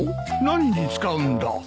何に使うんだ？